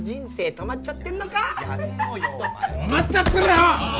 止まっちゃってるよ！